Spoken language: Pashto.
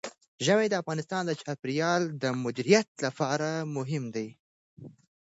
ژمی د افغانستان د چاپیریال د مدیریت لپاره مهم دي.